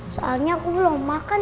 soalnya aku belum makan